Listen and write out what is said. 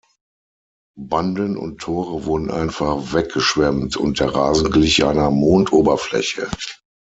Banden und Tore wurden einfach weggeschwemmt und der Rasen glich einer Mondoberfläche.